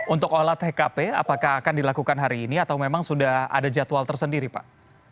untuk olah tkp apakah akan dilakukan hari ini atau memang sudah ada jadwal tersendiri pak